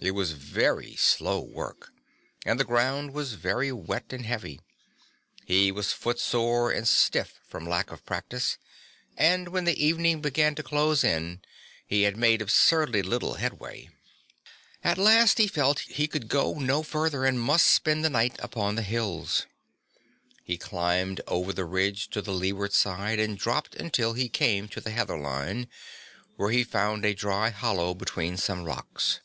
It was very slow work and the ground was very wet and heavy; he was footsore and stiff from lack of practice and when the evening began to close in he had made absurdly little headway. At last he felt he could go no further and must spend the night upon the hills. He climbed over the ridge to the leeward side and dropped until he came to the heather line, where he found a dry hollow between some rocks.